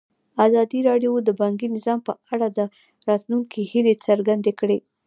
ازادي راډیو د بانکي نظام په اړه د راتلونکي هیلې څرګندې کړې.